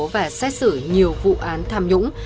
và xét xử nhiều vụ án tham nhũng